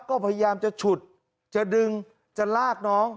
ก็พยายามจะฉุดจะดึงจะลากน้อง